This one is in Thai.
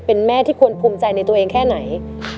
เป็นแม่ที่ควรภูมิใจในตัวเองแค่ไหน